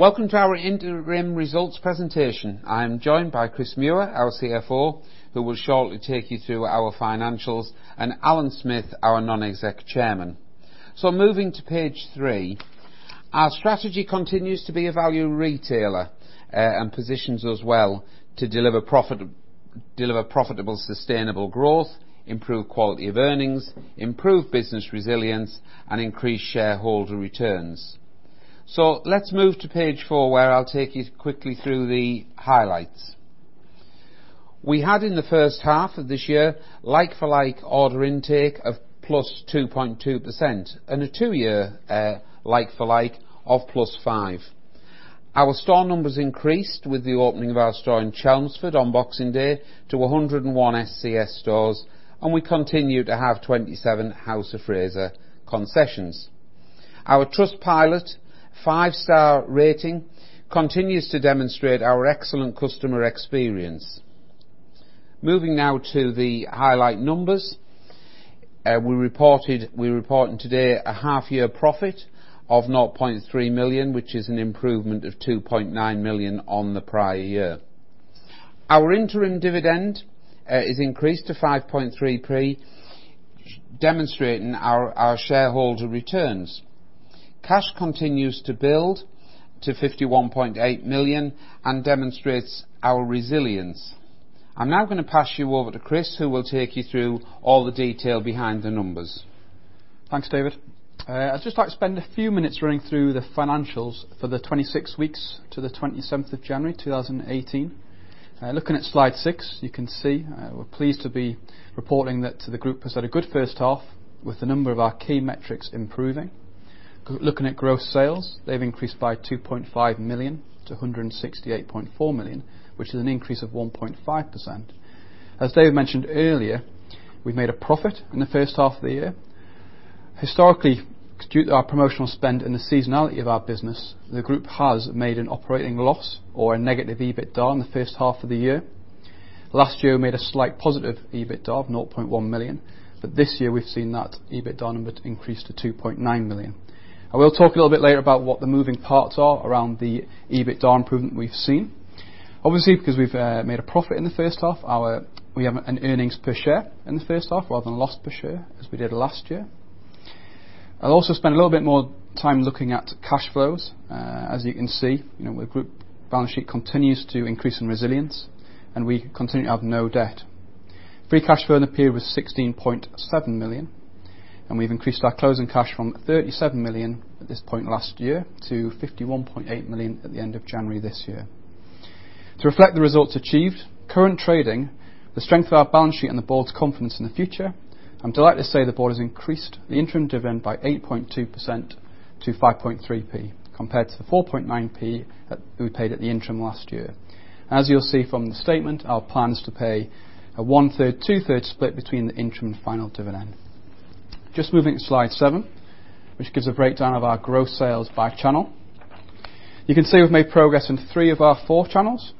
Welcome to our interim results presentation. I'm joined by Chris Muir, our CFO, who will shortly take you through our financials, and Alan Smith, our non-exec chairman. Moving to page three, our strategy continues to be a value retailer and positions us well to deliver profitable, sustainable growth, improve quality of earnings, improve business resilience, and increase shareholder returns. Let's move to page four, where I'll take you quickly through the highlights. We had, in the first half of this year, like-for-like order intake of +2.2% and a two-year like-for-like of +5%. Our store numbers increased with the opening of our store in Chelmsford on Boxing Day to 101 ScS stores, and we continue to have 27 House of Fraser concessions. Our Trustpilot five-star rating continues to demonstrate our excellent customer experience. Moving now to the highlight numbers, we're reporting today a half-year profit of 0.3 million, which is an improvement of 2.9 million on the prior year. Our interim dividend is increased to 0.053, demonstrating our shareholder returns. Cash continues to build to 51.8 million and demonstrates our resilience. I'm now going to pass you over to Chris, who will take you through all the detail behind the numbers. Thanks, David. I'd just like to spend a few minutes running through the financials for the 26 weeks to the 27th of January 2018. Looking at slide six, you can see we're pleased to be reporting that the group has had a good first half with a number of our key metrics improving. Looking at gross sales, they've increased by 2.5 million to 168.4 million, which is an increase of 1.5%. As David mentioned earlier, we've made a profit in the first half of the year. Historically, due to our promotional spend and the seasonality of our business, the group has made an operating loss or a negative EBITDA in the first half of the year. Last year, we made a slight positive EBITDA of 0.1 million, but this year we've seen that EBITDA number increase to 2.9 million. I will talk a little bit later about what the moving parts are around the EBITDA improvement we have seen. Obviously, because we have made a profit in the first half, we have an earnings per share in the first half rather than a loss per share, as we did last year. I will also spend a little bit more time looking at cash flows. As you can see, the group balance sheet continues to increase in resilience, and we continue to have no debt. Free cash flow in the period was 16.7 million, and we have increased our closing cash from 37 million at this point last year to 51.8 million at the end of January this year. To reflect the results achieved, current trading, the strength of our balance sheet, and the board's confidence in the future, I'm delighted to say the board has increased the interim dividend by 8.2% to 0.053 compared to the 0.049 that we paid at the interim last year. As you'll see from the statement, our plan is to pay a one-third, two-third split between the interim and final dividend. Just moving to slide seven, which gives a breakdown of our gross sales by channel. You can see we've made progress in three of our four channels.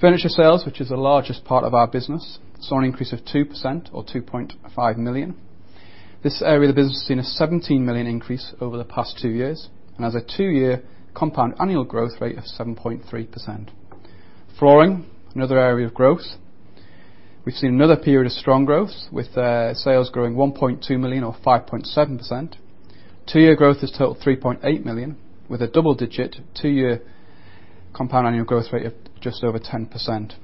Furniture sales, which is the largest part of our business, saw an increase of 2% or 2.5 million. This area of the business has seen a 17 million increase over the past two years and has a two-year compound annual growth rate of 7.3%. Flooring, another area of growth. We've seen another period of strong growth with sales growing 1.2 million or 5.7%. Two-year growth has totaled 3.8 million, with a double-digit two-year compound annual growth rate of just over 10%.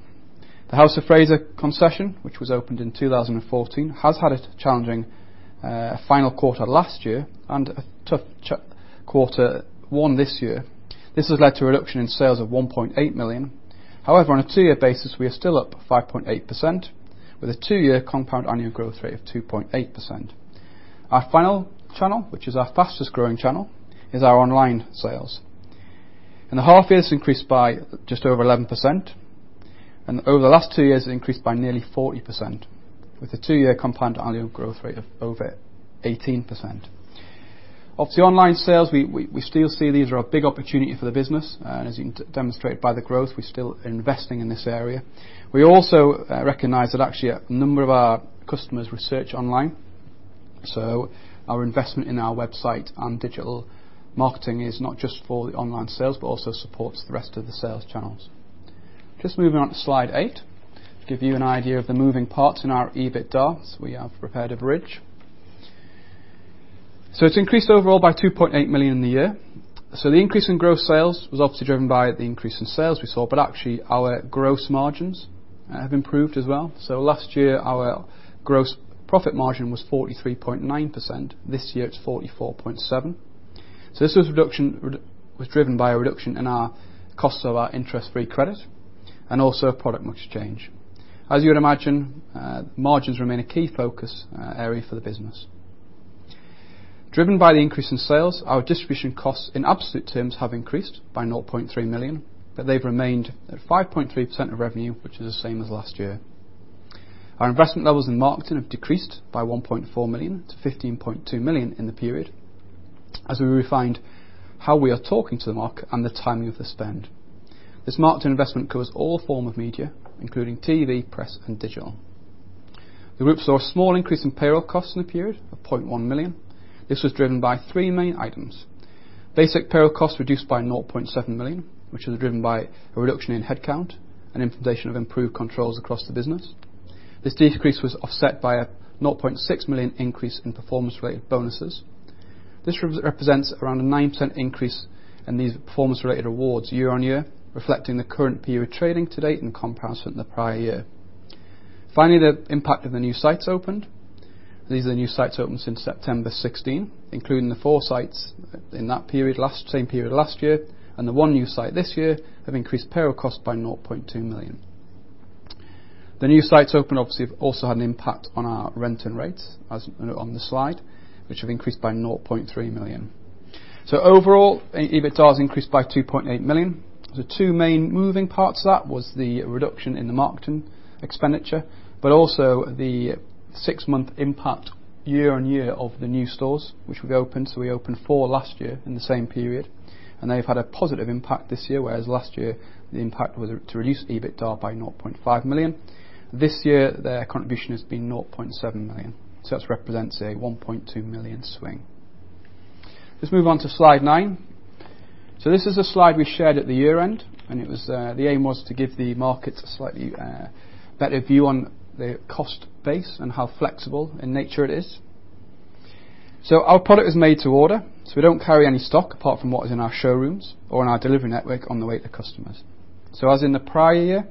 The House of Fraser concession, which was opened in 2014, has had a challenging final quarter last year and a tough quarter one this year. This has led to a reduction in sales of 1.8 million. However, on a two-year basis, we are still up 5.8% with a two-year compound annual growth rate of 2.8%. Our final channel, which is our fastest growing channel, is our online sales. In the half year, it's increased by just over 11%, and over the last two years, it's increased by nearly 40% with a two-year compound annual growth rate of over 18%. Of the online sales, we still see these are a big opportunity for the business, and as you can demonstrate by the growth, we're still investing in this area. We also recognize that actually a number of our customers research online, so our investment in our website and digital marketing is not just for the online sales, but also supports the rest of the sales channels. Just moving on to slide eight to give you an idea of the moving parts in our EBITDA. We have prepared a bridge. It has increased overall by 2.8 million in the year. The increase in gross sales was obviously driven by the increase in sales we saw, but actually our gross margins have improved as well. Last year, our gross profit margin was 43.9%. This year, it is 44.7%. This was driven by a reduction in our costs of our interest-free credit and also product exchange. As you would imagine, margins remain a key focus area for the business. Driven by the increase in sales, our distribution costs in absolute terms have increased by 0.3 million, but they've remained at 5.3% of revenue, which is the same as last year. Our investment levels in marketing have decreased by 1.4 million to 15.2 million in the period as we refined how we are talking to the market and the timing of the spend. This marketing investment covers all forms of media, including TV, press, and digital. The group saw a small increase in payroll costs in the period of 0.1 million. This was driven by three main items: basic payroll costs reduced by 0.7 million, which was driven by a reduction in headcount and implementation of improved controls across the business. This decrease was offset by a 0.6 million increase in performance-related bonuses. This represents around a 9% increase in these performance-related awards year on year, reflecting the current period trading to date in comparison to the prior year. Finally, the impact of the new sites opened. These are the new sites opened since September 2016, including the four sites in that period, same period last year, and the one new site this year have increased payroll costs by 0.2 million. The new sites opened obviously have also had an impact on our rent and rates, as on the slide, which have increased by 0.3 million. Overall, EBITDA has increased by 2.8 million. The two main moving parts of that were the reduction in the marketing expenditure, but also the six-month impact year on year of the new stores which we opened. We opened four last year in the same period, and they've had a positive impact this year, whereas last year the impact was to reduce EBITDA by 0.5 million. This year, their contribution has been 0.7 million. That represents a 1.2 million swing. Let's move on to slide nine. This is a slide we shared at the year end, and the aim was to give the markets a slightly better view on the cost base and how flexible in nature it is. Our product is made to order, so we don't carry any stock apart from what is in our showrooms or in our delivery network on the way to customers. As in the prior year,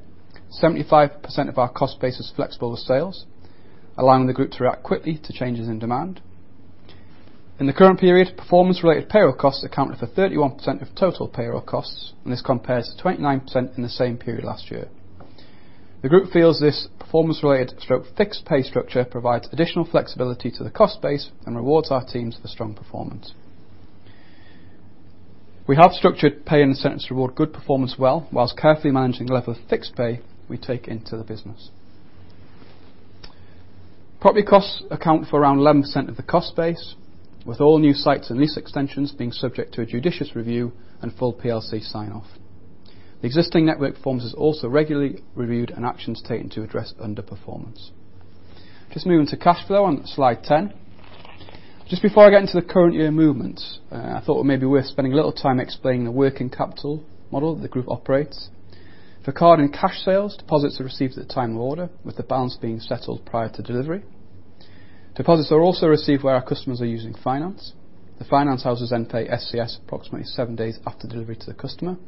75% of our cost base was flexible with sales, allowing the group to react quickly to changes in demand. In the current period, performance-related payroll costs accounted for 31% of total payroll costs, and this compares to 29% in the same period last year. The group feels this performance-related fixed pay structure provides additional flexibility to the cost base and rewards our teams for strong performance. We have structured pay incentives to reward good performance well, whilst carefully managing the level of fixed pay we take into the business. Property costs account for around 11% of the cost base, with all new sites and lease extensions being subject to a judicious review and full sign-off. The existing network performance is also regularly reviewed and actions taken to address underperformance. Just moving to cash flow on slide 10. Just before I get into the current year movements, I thought it may be worth spending a little time explaining the working capital model that the group operates. For card and cash sales, deposits are received at the time of order, with the balance being settled prior to delivery. Deposits are also received where our customers are using finance. The finance houses then pay ScS approximately seven days after delivery to the customer.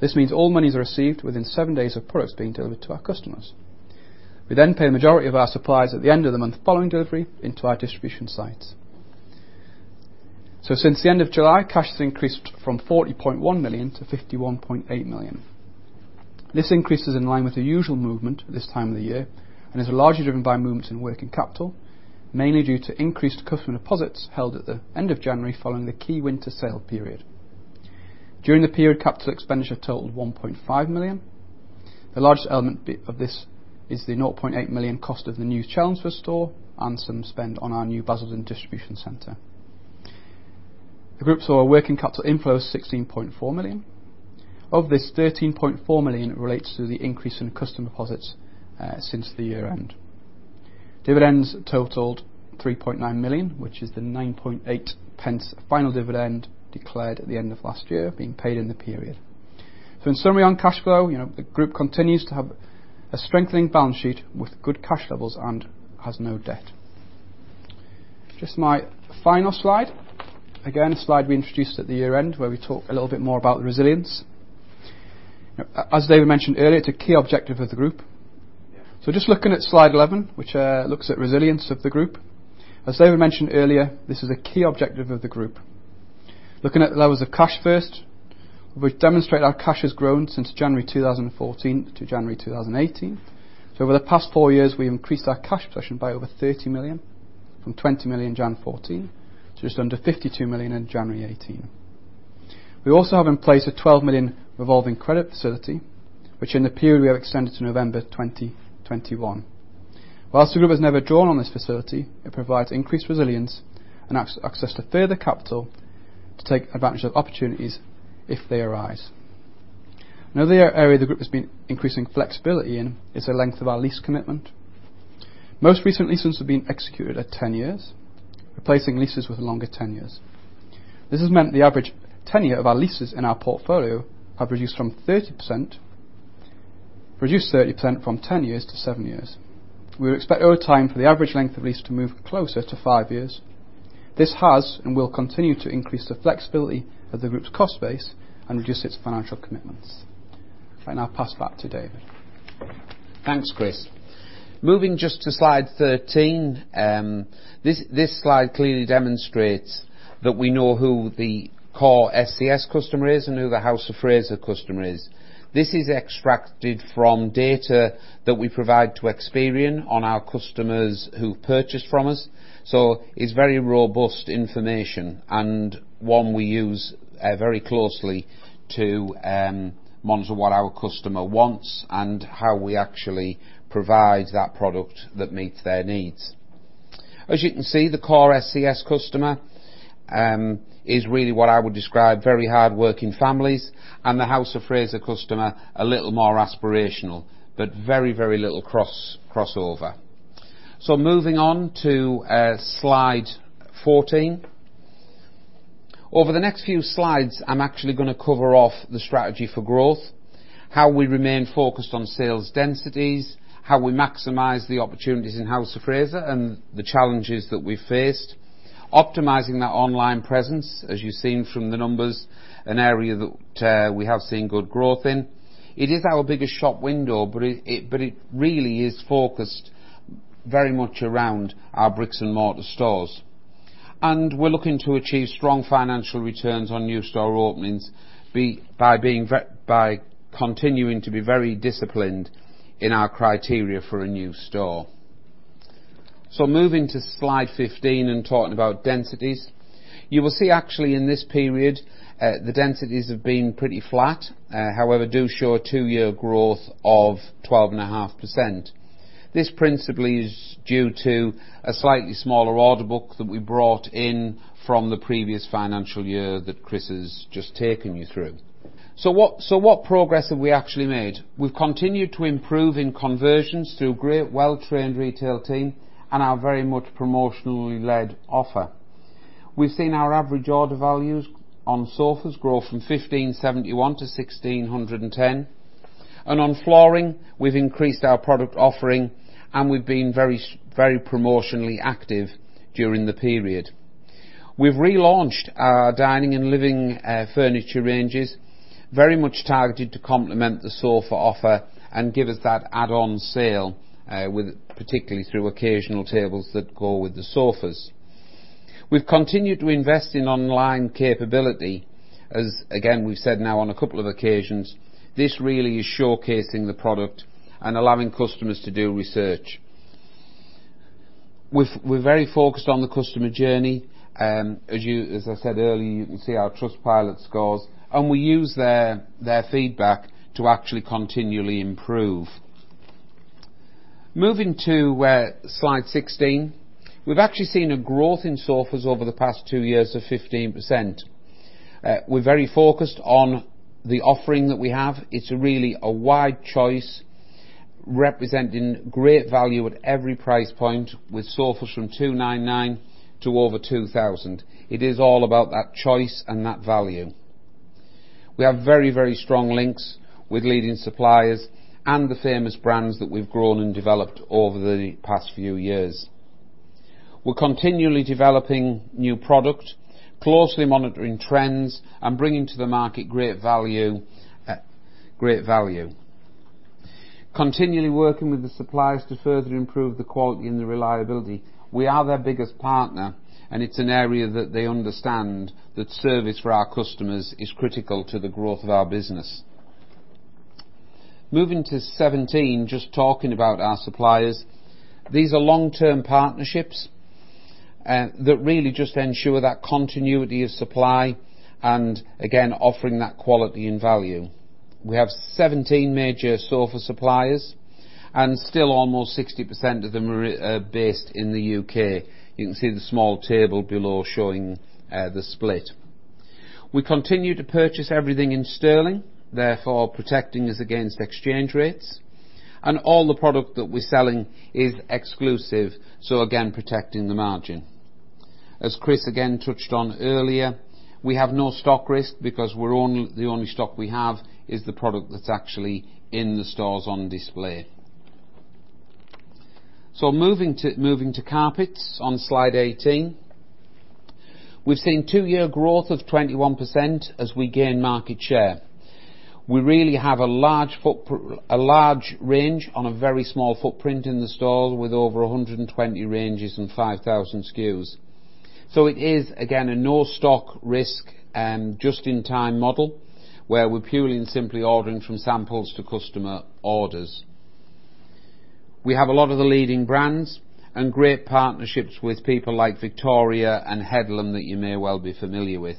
This means all monies are received within seven days of products being delivered to our customers. We then pay the majority of our suppliers at the end of the month following delivery into our distribution sites. Since the end of July, cash has increased from 40.1 million to 51.8 million. This increase is in line with the usual movement at this time of the year and is largely driven by movements in working capital, mainly due to increased customer deposits held at the end of January following the key winter sale period. During the period, capital expenditure totaled 1.5 million. The largest element of this is the 0.8 million cost of the new Challenger store and some spend on our new Basildon distribution center. The group saw a working capital inflow of 16.4 million. Of this, 13.4 million relates to the increase in customer deposits since the year end. Dividends totaled 3.9 million, which is the 0.098 final dividend declared at the end of last year, being paid in the period. In summary on cash flow, the group continues to have a strengthening balance sheet with good cash levels and has no debt. Just my final slide. Again, a slide we introduced at the year end where we talk a little bit more about resilience. As David mentioned earlier, it is a key objective of the group. Just looking at slide 11, which looks at resilience of the group. As David mentioned earlier, this is a key objective of the group. Looking at the levels of cash first, we demonstrate our cash has grown since January 2014 to January 2018. Over the past four years, we have increased our cash position by over 30 million from 20 million in January 2014 to just under 52 million in January 2018. We also have in place a 12 million revolving credit facility, which in the period we have extended to November 2021. Whilst the group has never drawn on this facility, it provides increased resilience and access to further capital to take advantage of opportunities if they arise. Another area the group has been increasing flexibility in is the length of our lease commitment. Most recent leases have been executed at 10 years, replacing leases with longer tenures. This has meant the average tenure of our leases in our portfolio has reduced by 30% from 10 years to 7 years. We would expect over time for the average length of lease to move closer to 5 years. This has and will continue to increase the flexibility of the group's cost base and reduce its financial commitments. I now pass back to David. Thanks, Chris. Moving just to slide 13, this slide clearly demonstrates that we know who the core ScS customer is and who the House of Fraser customer is. This is extracted from data that we provide to Experian on our customers who've purchased from us. So it's very robust information and one we use very closely to monitor what our customer wants and how we actually provide that product that meets their needs. As you can see, the core ScS customer is really what I would describe as very hardworking families, and the House of Fraser customer a little more aspirational, but very, very little crossover. Moving on to slide 14. Over the next few slides, I'm actually going to cover off the strategy for growth, how we remain focused on sales densities, how we maximize the opportunities in House of Fraser, and the challenges that we've faced. Optimizing that online presence, as you've seen from the numbers, is an area that we have seen good growth in. It is our biggest shop window, but it really is focused very much around our bricks and mortar stores. We are looking to achieve strong financial returns on new store openings by continuing to be very disciplined in our criteria for a new store. Moving to slide 15 and talking about densities, you will see actually in this period the densities have been pretty flat. However, they do show a two-year growth of 12.5%. This principally is due to a slightly smaller order book that we brought in from the previous financial year that Chris has just taken you through. What progress have we actually made? We have continued to improve in conversions through a great, well-trained retail team and our very much promotionally led offer. We've seen our average order values on sofas grow from 1,571 to 1,610. On flooring, we've increased our product offering, and we've been very promotionally active during the period. We've relaunched our dining and living furniture ranges, very much targeted to complement the sofa offer and give us that add-on sale, particularly through occasional tables that go with the sofas. We've continued to invest in online capability, as again, we've said now on a couple of occasions. This really is showcasing the product and allowing customers to do research. We're very focused on the customer journey. As I said earlier, you can see our Trustpilot scores, and we use their feedback to actually continually improve. Moving to slide 16, we've actually seen a growth in sofas over the past two years of 15%. We're very focused on the offering that we have. It's really a wide choice representing great value at every price point, with sofas from 299 to over 2,000. It is all about that choice and that value. We have very, very strong links with leading suppliers and the famous brands that we've grown and developed over the past few years. We're continually developing new product, closely monitoring trends, and bringing to the market great value. Continually working with the suppliers to further improve the quality and the reliability. We are their biggest partner, and it's an area that they understand that service for our customers is critical to the growth of our business. Moving to 2017, just talking about our suppliers. These are long-term partnerships that really just ensure that continuity of supply and, again, offering that quality and value. We have 17 major sofa suppliers, and still almost 60% of them are based in the U.K. You can see the small table below showing the split. We continue to purchase everything in GBP, therefore protecting us against exchange rates. All the product that we're selling is exclusive, so again, protecting the margin. As Chris again touched on earlier, we have no stock risk because the only stock we have is the product that's actually in the stores on display. Moving to carpets on slide 18, we've seen two-year growth of 21% as we gain market share. We really have a large range on a very small footprint in the stores with over 120 ranges and 5,000 SKUs. It is, again, a no-stock risk, just-in-time model where we're purely and simply ordering from samples to customer orders. We have a lot of the leading brands and great partnerships with people like Victoria Carpets and Headland Carpets that you may well be familiar with.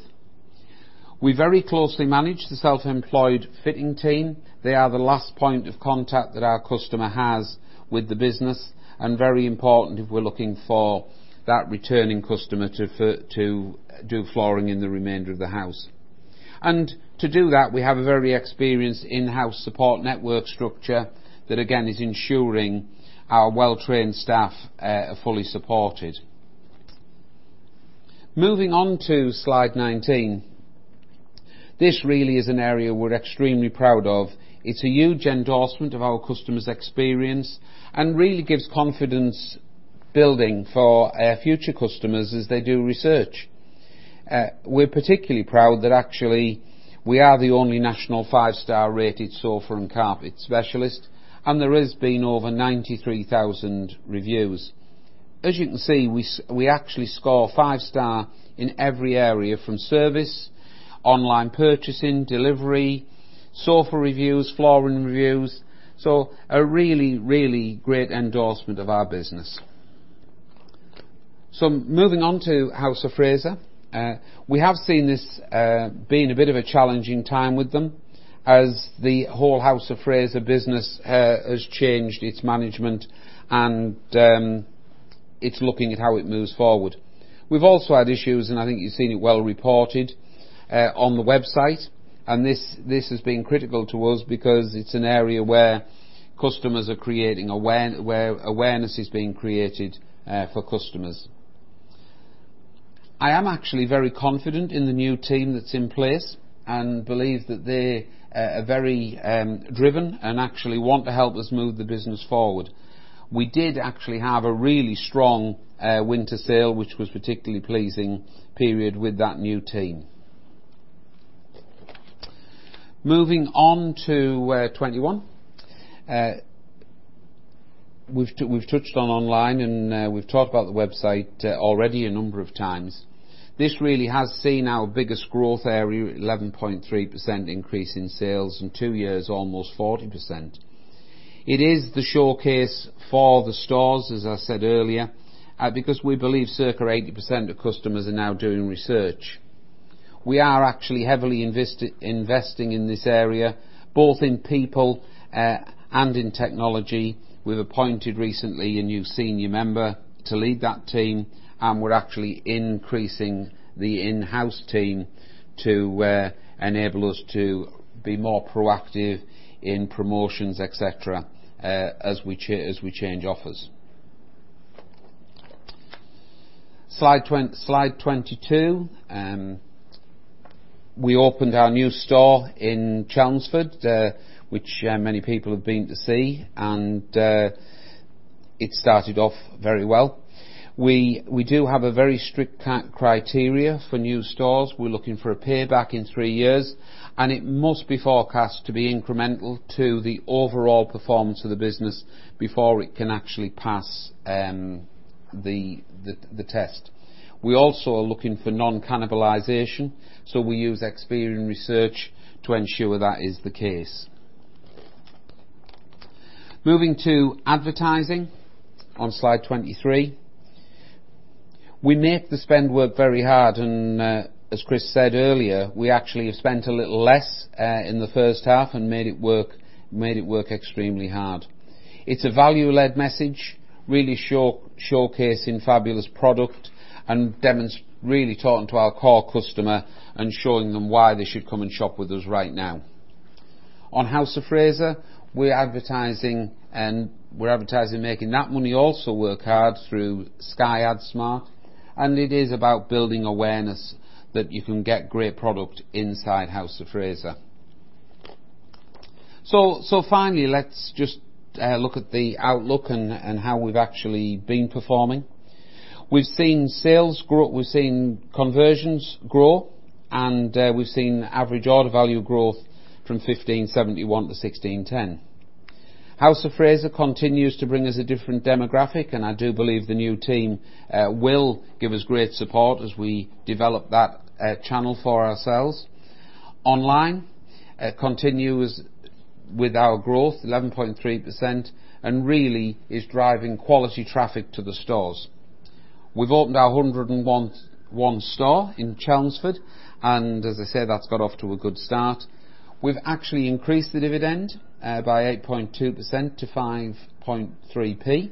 We very closely manage the self-employed fitting team. They are the last point of contact that our customer has with the business and very important if we're looking for that returning customer to do flooring in the remainder of the house. To do that, we have a very experienced in-house support network structure that, again, is ensuring our well-trained staff are fully supported. Moving on to slide 19, this really is an area we're extremely proud of. It's a huge endorsement of our customer's experience and really gives confidence building for future customers as they do research. We're particularly proud that actually we are the only national five-star rated sofa and carpet specialist, and there have been over 93,000 reviews. As you can see, we actually score five-star in every area from service, online purchasing, delivery, sofa reviews, flooring reviews. A really, really great endorsement of our business. Moving on to House of Fraser, we have seen this being a bit of a challenging time with them as the whole House of Fraser business has changed its management and it is looking at how it moves forward. We have also had issues, and I think you have seen it well reported on the website, and this has been critical to us because it is an area where customers are creating awareness, where awareness is being created for customers. I am actually very confident in the new team that is in place and believe that they are very driven and actually want to help us move the business forward. We did actually have a really strong winter sale, which was a particularly pleasing period with that new team. Moving on to 2021, we have touched on online and we have talked about the website already a number of times. This really has seen our biggest growth area, 11.3% increase in sales in two years, almost 40%. It is the showcase for the stores, as I said earlier, because we believe circa 80% of customers are now doing research. We are actually heavily investing in this area, both in people and in technology. We've appointed recently a new senior member to lead that team, and we're actually increasing the in-house team to enable us to be more proactive in promotions, etc., as we change offers. Slide 22, we opened our new store in Chelmsford, which many people have been to see, and it started off very well. We do have a very strict criteria for new stores. We're looking for a payback in three years, and it must be forecast to be incremental to the overall performance of the business before it can actually pass the test. We also are looking for non-cannibalization, so we use Experian research to ensure that is the case. Moving to advertising on slide 23, we make the spend work very hard, and as Chris said earlier, we actually have spent a little less in the first half and made it work extremely hard. It's a value-led message, really showcasing fabulous product and really talking to our core customer and showing them why they should come and shop with us right now. On House of Fraser, we're advertising and we're advertising making that money also work hard through Sky AdSmart, and it is about building awareness that you can get great product inside House of Fraser. Finally, let's just look at the outlook and how we've actually been performing. We've seen sales grow, we've seen conversions grow, and we've seen average order value growth from 1,571 to 1,610. House of Fraser continues to bring us a different demographic, and I do believe the new team will give us great support as we develop that channel for ourselves. Online continues with our growth, 11.3%, and really is driving quality traffic to the stores. We've opened our 101st store in Chelmsford, and as I said, that's got off to a good start. We've actually increased the dividend by 8.2% to 0.053,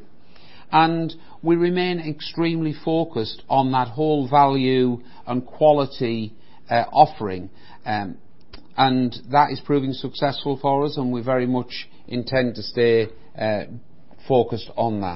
and we remain extremely focused on that whole value and quality offering, and that is proving successful for us, and we very much intend to stay focused on that.